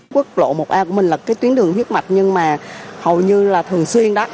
quốc lộ một a của mình là cái tuyến đường huyết mạch nhưng mà hầu như là thường xuyên đó